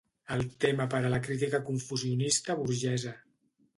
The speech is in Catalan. El tema per a la crítica confusionista burgesa.